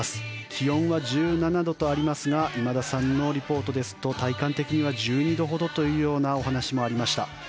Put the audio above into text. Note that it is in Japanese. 気温は１７度とありますが今田さんのリポートですと体感的には１２度ほどというお話もありました。